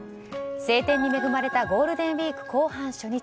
晴天に恵まれたゴールデンウィーク後半初日。